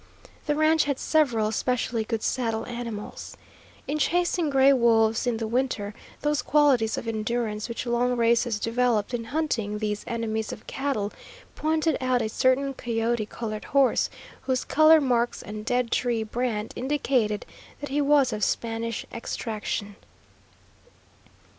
The ranch had several specially good saddle animals. In chasing gray wolves in the winter those qualities of endurance which long races developed in hunting these enemies of cattle, pointed out a certain coyote colored horse, whose color marks and "Dead Tree" brand indicated that he was of Spanish extraction.